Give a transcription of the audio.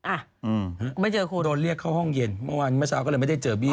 อ่าไม่เจอคุณโดนเรียกเข้าห้องเย็นเมื่อวานเดียวคือเดียวว่าไม่ได้เจอบี้